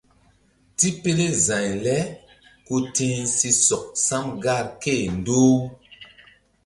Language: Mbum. Tipele za̧y le ku ti̧h si sɔk sam gar ké-e ndoh-u.